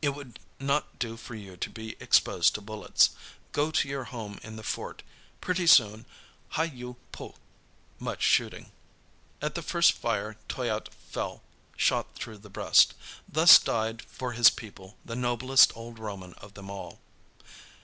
It would not do for you to be exposed to bullets. Go to your home in the fort; pretty soon 'hi yu poogh'" (much shooting). At the first fire Toyatte fell, shot through the breast. Thus died for his people the noblest old Roman of them all.